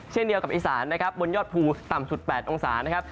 เช่นเดียวกับอีสานนะครับบนยอดภูต่ำสุด๘องศานะครับ